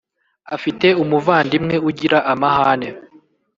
afite umuvandimwe ugira amahane